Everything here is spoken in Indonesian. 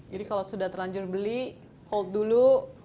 jadi kalau sudah terlanjur beli hold dulu